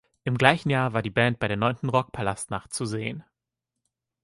Im gleichen Jahr war die Band bei der neunten Rockpalast Nacht zu sehen.